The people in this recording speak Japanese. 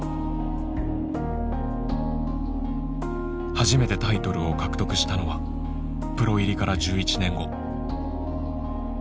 初めてタイトルを獲得したのはプロ入りから１１年後。